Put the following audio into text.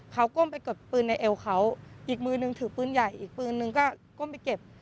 เขาก้มไปกดปืนในเอวเขาอีกมือนึงถือปืนใหญ่อีกปืนนึงก็ก้มไปเก็บ